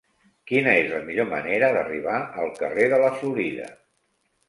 Quina és la millor manera d'arribar al carrer de la Florida?